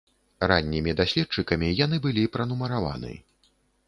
Раннімі даследчыкамі яны былі пранумараваны.